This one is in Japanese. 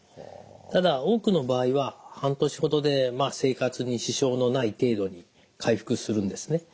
ただ多くの場合は半年ほどでまあ生活に支障のない程度に回復するんですね。